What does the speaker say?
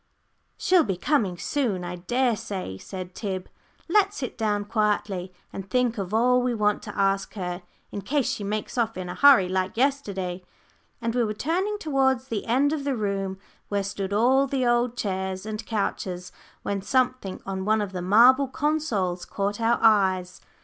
"She'll be coming soon, I dare say," said Tib. "Let's sit down quietly, and think of all we want to ask her, in case she makes off in a hurry like yesterday," and we were turning towards the end of the room where stood all the old chairs and couches, when something on one of the marble consols caught our eyes.